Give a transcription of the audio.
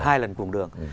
hai lần cùng đường